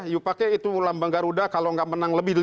yu pake itu lambang garuda kalau nggak menang lebih lima